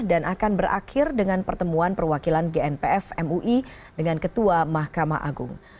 dan akan berakhir dengan pertemuan perwakilan gnpf mui dengan ketua mahkamah agung